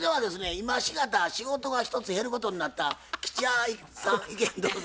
今しがた仕事が一つ減ることになった吉弥さん意見どうぞ。